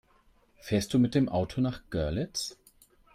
Fährst du mit dem Auto nach Görlitz?